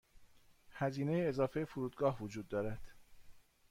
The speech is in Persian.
هزینه اضافه فرودگاه وجود دارد.